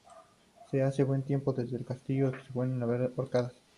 Si hace buen tiempo, desde el castillo se pueden ver las Órcadas.